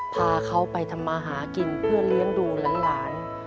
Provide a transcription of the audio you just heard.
พาเขาไปทำมาหากินเพื่อเลี้ยงดูหลาน